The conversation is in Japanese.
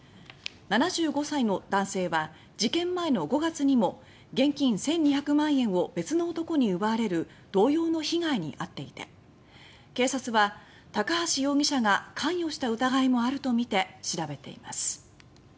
７５歳の男性は事件前の５月にも現金１２００万円を別の男に奪われる同様の被害に遭っていて警察は高橋容疑者が関与した疑いもあるとみて調べています。